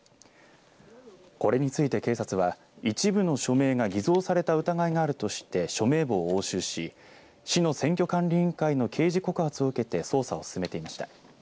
これについて警察は一部の署名が偽造された疑いがあるとして署名簿を押収し市の選挙管理委員会の刑事告発を受けて捜査を進めていました。